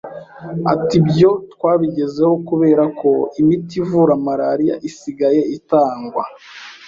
Ati “Ibyo twabigezeho kubera ko imiti ivura malariya isigaye itangwa